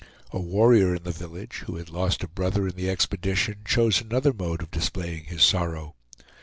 A warrior in the village, who had lost a brother in the expedition; chose another mode of displaying his sorrow.